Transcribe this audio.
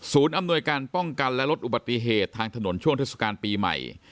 อำนวยการป้องกันและลดอุบัติเหตุทางถนนช่วงเทศกาลปีใหม่